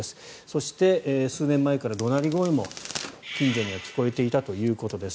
そして、数年前から怒鳴り声も近所には聞こえていたということです。